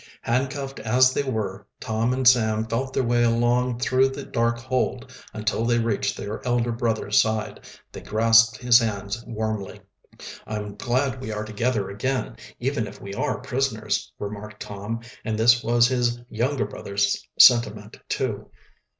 Handcuffed as they were, Tom and Sam felt their way along through the dark hold until they reached their elder brother's side. They grasped his hands warmly. "I'm glad we are together again, even if we are prisoners," remarked Tom, and this was his younger brother's sentiment, too.